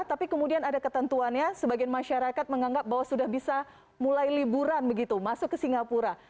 tapi kemudian ada ketentuannya sebagian masyarakat menganggap bahwa sudah bisa mulai liburan begitu masuk ke singapura